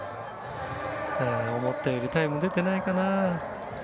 思ったよりタイム出てないかな。